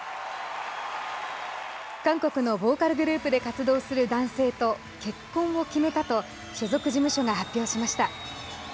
韓国のボーカルグループで活動する男性と結婚を決めたと所属事務所が発表しました。